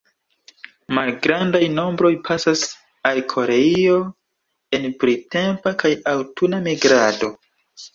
Malgrandaj nombroj pasas al Koreio en printempa kaj aŭtuna migrado.